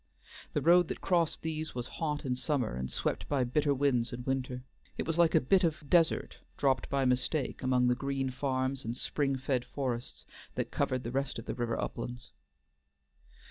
The road that crossed these was hot in summer and swept by bitter winds in winter. It was like a bit of desert dropped by mistake among the green farms and spring fed forests that covered the rest of the river uplands.